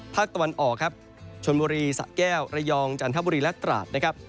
ภาคตะวันออกครับชนบุรีสะแก้วระยองจันทบุรีและตราดนะครับ